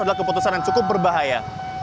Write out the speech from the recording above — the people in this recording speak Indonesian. adalah keputusan yang cukup berbahaya